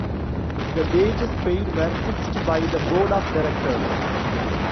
The wages paid were fixed by the Board of Directors.